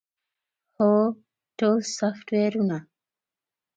هو، ټول سافټویرونه